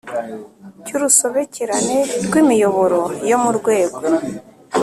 Cy urusobekerane rw imiyoboro yo mu rwego